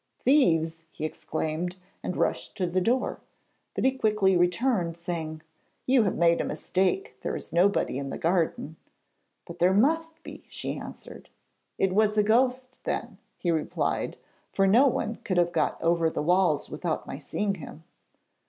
'Thieves!' he exclaimed, and rushed to the door, but he quickly returned, saying: 'You have made a mistake; there is nobody in the garden.' 'But there must be,' she answered. 'It was a ghost, then,' he replied, 'for no one could have got over the walls without my seeing him.'